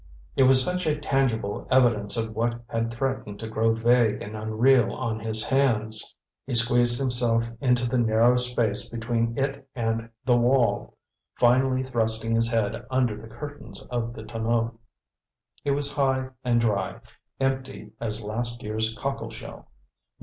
It was such a tangible evidence of what had threatened to grow vague and unreal on his hands. He squeezed himself into the narrow space between it and the wall, finally thrusting his head under the curtains of the tonneau. It was high and dry, empty as last year's cockleshell.